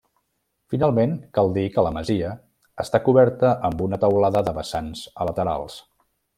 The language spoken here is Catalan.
Finalment, cal dir que la masia està coberta amb una teulada de vessants a laterals.